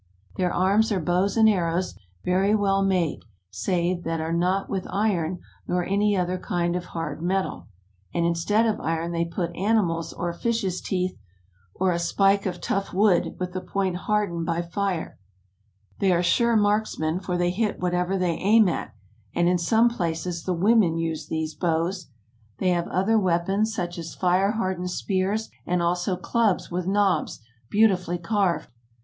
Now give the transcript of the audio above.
Their arms are bows and arrows, very well made, save that are not with iron nor any other kind of hard metal, and instead of iron they put animals' or fishes' teeth, or a spike of tough wood, with the point hardened by fire; they are sure marksmen, for they hit whatever they aim at, and in some places the women use these bows ; they have other weapons, such as fire hardened spears, and also clubs with knobs, beautifully carved.